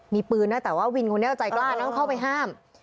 มีปืนนะแต่ว่าวินคนนี้ใจกล้านะต้องเข้าไปห้าม